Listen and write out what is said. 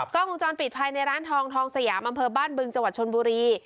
กล้องวงจรปิดภายในร้านทองทองสยามอำเภอบ้านบึงจังหวัดชนบุรี